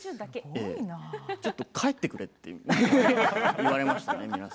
ちょっと帰ってくれってみんなに言われましたね。